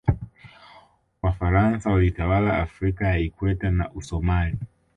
wafaransa walitawala afrika ya ikweta na usomali